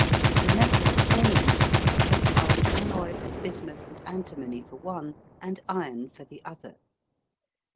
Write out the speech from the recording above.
The metals forming these pairs are an alloy of bismuth and antimony for one and iron for the other.